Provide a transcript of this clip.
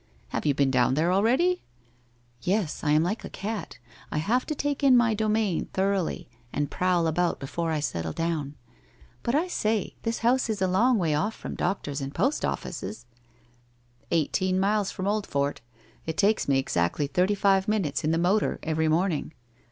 1 Have you been down there already ?'* Yes, I am like a cat. I have to take in my domain thoroughly and prowl about before I settle down. But, [ say, this house is a long way oil from doctors and post offices !' 'Eighteen miles from Old fort. It takes mc exactly thirty five minutes in the motor every morning.